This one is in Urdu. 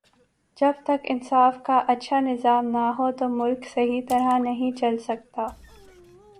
جب تک انصاف کا اچھا نظام نہ ہو تو ملک صحیح طرح نہیں چل سکتا